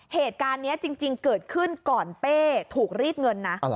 เหตุการณ์นี้จริงเกิดขึ้นก่อนเป้ถูกรีดเงินนะ